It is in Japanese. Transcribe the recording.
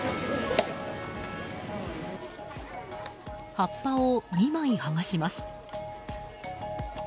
葉っぱを２枚剥がします。